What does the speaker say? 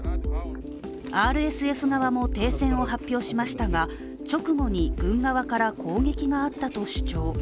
ＲＳＦ側も停戦を発表しましたが、直後に軍側から攻撃があったと主張。